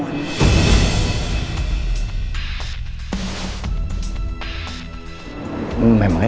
kalau jangan buat tak ee